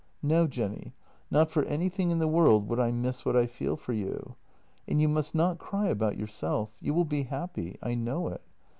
No, Jenny, not for anything in the world would I miss what I feel for you! " And you must not cry about yourself. You will be happy. I know it.